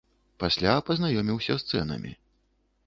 Пасля пазнаёміўся з цэнамі.